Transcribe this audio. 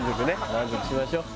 満足しましょう。